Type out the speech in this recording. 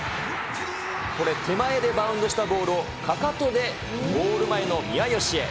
これ、手前でバウンドしたボールをかかとでゴール前のみやよしへ。